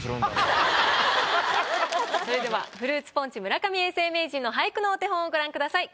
それではフルーツポンチ村上永世名人の俳句のお手本をご覧ください。